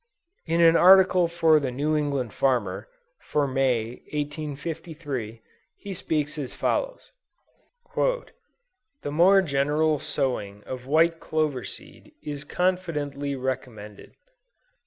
In an article for the New England Farmer, for May, 1853, he speaks as follows: "The more general sowing of white clover seed is confidently recommended.